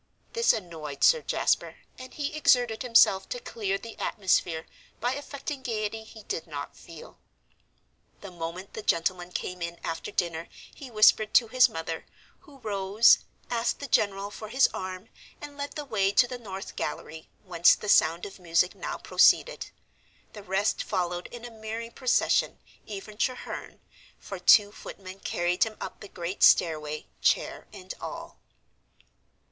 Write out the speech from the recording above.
This annoyed Sir Jasper, and he exerted himself to clear the atmosphere by affecting gaiety he did not feel. The moment the gentlemen came in after dinner he whispered to his mother, who rose, asked the general for his arm, and led the way to the north gallery, whence the sound of music now proceeded. The rest followed in a merry procession, even Treherne, for two footmen carried him up the great stairway, chair and all.